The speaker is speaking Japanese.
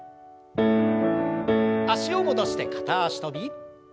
脚を戻して片脚跳び。